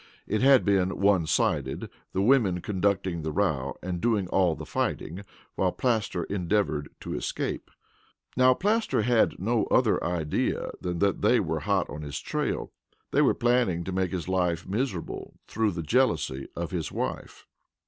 It had been one sided, the women conducting the row and doing all the fighting while Plaster endeavored to escape. Now Plaster had no other idea than that they were hot on his trail. They were planning to make his life miserable through the jealousy of his wife.